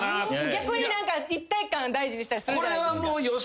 逆に何か一体感大事にしたりするじゃないですか。